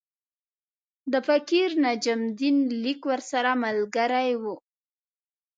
د فقیر نجم الدین لیک ورسره ملګری وو.